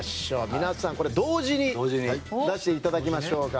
皆さん、同時に出していただきましょうか。